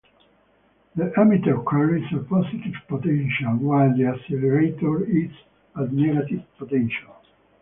The emitter carries a positive potential while the accelerator is at negative potential.